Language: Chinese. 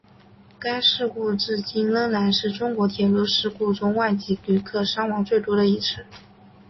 该事故至今仍然是中国铁路事故中外籍旅客伤亡最多的一次。